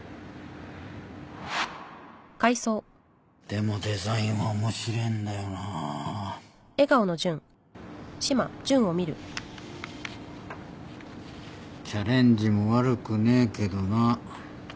でもデザインは面白ぇんだよなチャレンジも悪くねぇけどな。